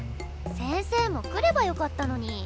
先生も来ればよかったのに。